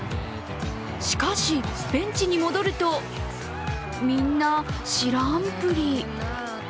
しかし、ベンチに戻ると、みんな知らんぷり。